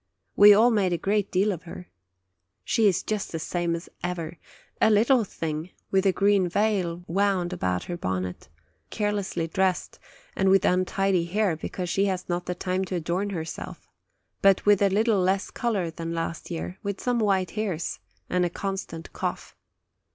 We all made a great deal of her. She is just the same as ever, a little thing, with a green veil wound about her bonnet, carelessly dressed, and with untidy hair, because she has not time to adorn 14 OCTOBER herself; but with a little less color than last year, with some white hairs, and a constant cough.